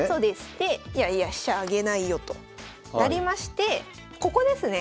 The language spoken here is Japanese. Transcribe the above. でいやいや飛車あげないよとなりましてここですね。